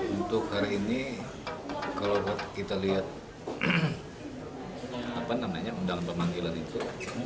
untuk hari ini kalau kita lihat undangan pemanggilan itu